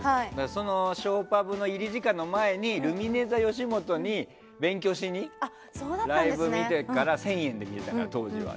そのショーパブの入り時間の前にルミネｔｈｅよしもとに勉強しにライブを見てから当時は１０００円で見れたから。